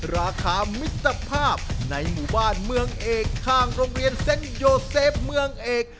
ราคามิตรภาพในหมู่บ้านเมืองเอกข้างโรงเรียนเซ็นโยเซฟเมืองเอก